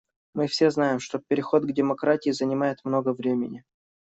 Мы все знаем, что переход к демократии занимает много времени.